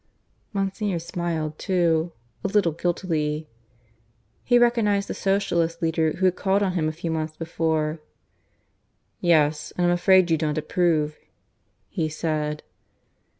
Monsignor smiled too, a little guiltily. He recognized the Socialist leader who had called on him a few months before. "Yes: and I'm afraid you don't approve," he said.